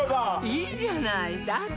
いいじゃないだって